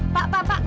pak pak pak